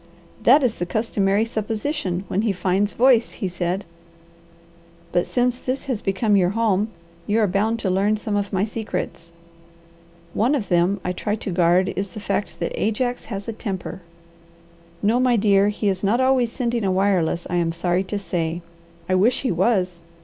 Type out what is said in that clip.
"That is the customary supposition when he finds voice," he said. "But since this has become your home, you are bound to learn some of my secrets. One of them I try to guard is the fact that Ajax has a temper. No my dear, he is not always sending a wireless, I am sorry to say. I wish he was!